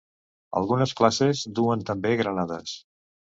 Algunes classes duen també granades.